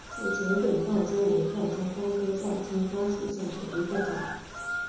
俯垂粉报春为报春花科报春花属下的一个种。